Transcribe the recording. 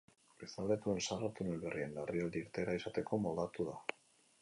Bestalde, tunel zaharra tunel berrien larrialdi-irteera izateko moldatu da.